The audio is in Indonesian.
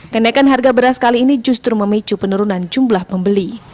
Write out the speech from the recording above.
kali ini justru memicu penurunan jumlah pembeli